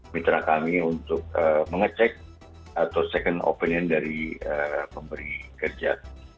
mitra kami untuk mengecek atau second opinion dari pemberi kerja